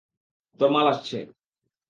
তোর মাল আসছে।